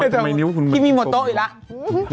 ทีมีหัวโต๊ะอีกแล้ว